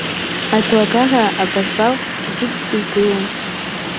Аӡлагара абарбал џыџӡа игылан.